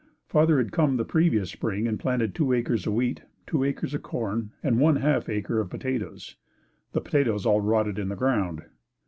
Father had come the previous spring and planted two acres of wheat, two acres of corn and one half acre of potatoes. The potatoes all rotted in the ground.